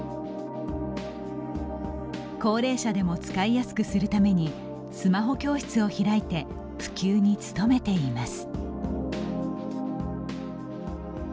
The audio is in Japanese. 高齢者でも使いやすくするためにスマホ教室を開いて普及に努めています。